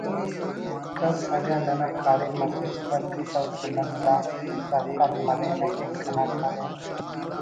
کس اگہ ننا کاریم اسے سفت کتو تو نن دا سرپند مرینہ کہ کنا کاریم